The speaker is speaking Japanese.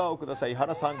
伊原さん